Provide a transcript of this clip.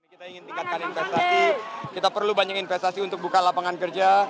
kita ingin tingkatkan investasi kita perlu banyak investasi untuk buka lapangan kerja